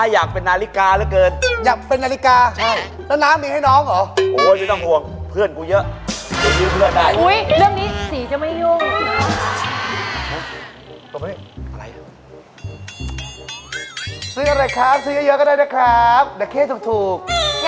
มันอัดตัวภาพบีด้วยความรักที่เห็นคร่าวแรก